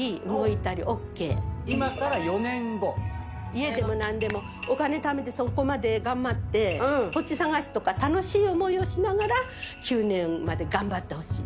家でも何でもお金ためてそこまで頑張って土地探しとか楽しい思いをしながら９年まで頑張ってほしいな。